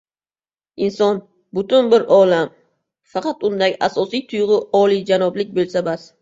Inson — butun bir olam, faqat undagi asosiy tuyg‘u olijanoblik bo‘lsa bas.